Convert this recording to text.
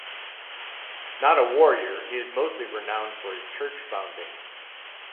Not a warrior, he is mostly renowned for his church foundings.